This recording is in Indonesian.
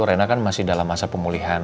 rena kan masih dalam masa pemulihan